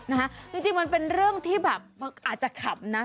นะฮะจริงมันเป็นเรื่องที่อาจจะขำนะ